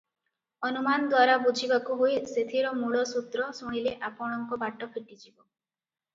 ଅନୁମାନ ଦ୍ୱାରା ବୁଝିବାକୁ ହୁଏ ସେଥିର ମୂଳସୂତ୍ର ଶୁଣିଲେ ଆପଣଙ୍କ ବାଟ ଫିଟିଯିବ ।